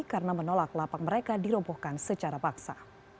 karena menolak lapak mereka dirombohkan secara paksa